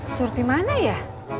surti mana ya